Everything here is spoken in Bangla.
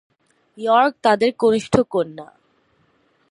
ইয়র্ক তাদের কনিষ্ঠ কন্যা।